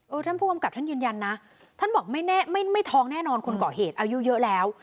ท่านผู้กำกับท่านยืนยันนะท่านบอกไม่แน่ไม่ท้องแน่นอนคนก่อเหตุอายุเยอะแล้ว